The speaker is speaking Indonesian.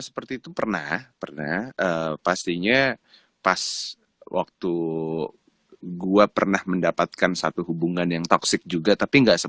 seperti itu pengalaman hidup yang sama seperti itu pernah ada pengalaman hidup yang sama seperti itu